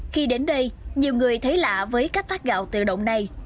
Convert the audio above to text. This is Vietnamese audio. khi đến đây nhiều người thấy lạ với cách phát gạo tự động này